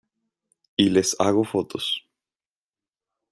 y les hago fotos.